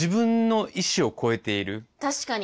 確かに。